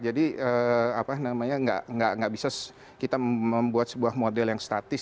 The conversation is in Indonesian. jadi tidak bisa kita membuat sebuah model yang statis